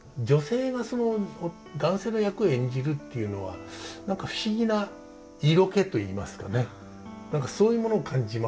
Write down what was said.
女性が男性の役を演じるっていうのは何か不思議な色気といいますかね何かそういうものを感じますね。